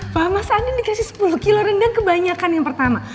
papa masa andi dikasih sepuluh kilo rendang kebanyakan yang pertama